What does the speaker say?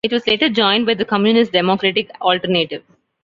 It was later joined by the communist Democratic Alternative.